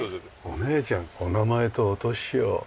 お姉ちゃんお名前とお年を。